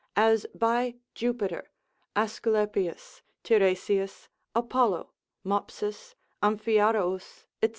as by Jupiter, Aesculapius, Tiresias, Apollo, Mopsus, Amphiaraus, &c.